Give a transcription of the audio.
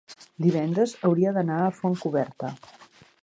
divendres hauria d'anar a Fontcoberta.